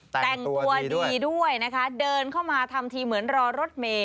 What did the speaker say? แต่งตัวดีด้วยแต่งตัวดีด้วยนะคะเดินเข้ามาทำทีเหมือนรอรถเมย์